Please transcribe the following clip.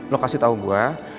lo kasih tau gue